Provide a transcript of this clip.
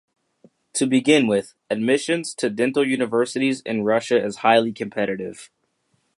To begin with, admission to dental universities in Russia is highly competitive.